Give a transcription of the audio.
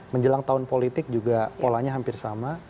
menjelang tahun politik juga polanya hampir sama